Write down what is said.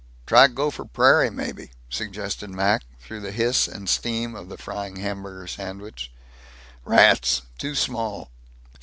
"Try Gopher Prairie maybe?" suggested Mac, through the hiss and steam of the frying hamburger sandwich. "Rats. Too small."